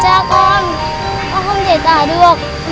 con không thể tả được